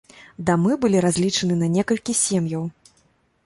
Дамы былі разлічаны на некалькі сем'яў.